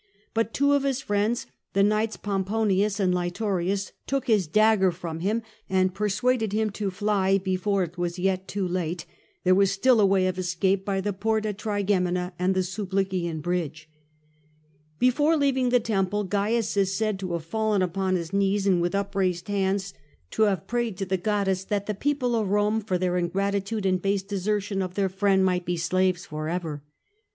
But two of his friends, the knights Pomponius and Laetorius, took his dagger from him, and persuaded him to fly before it was yet too late there was still a way of escape by the Porta Trigemina and the Sublician bridge* Before leaving the temple, Cains is said to have fallen upon his knees, and with upraised hands to have prayed to the THE DEATH OF CAIIJS 85 goddess that the people of Eome, for their ingratitnde and base desertion of their friend, might be slaves for ever."